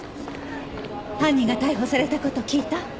犯人が逮捕された事聞いた？